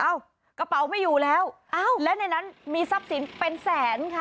กระเป๋าไม่อยู่แล้วอ้าวและในนั้นมีทรัพย์สินเป็นแสนค่ะ